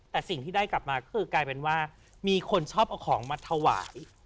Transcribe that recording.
แต่สิ่งที่ได้กลับมาคือมีคนชอบเอาของมาถวาย